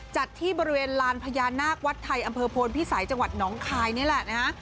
จัดที่บริเวณลานพญานาควัดไทยอำเภอโพนพิสัยจังหวัดน้องคายนี่แหละนะฮะ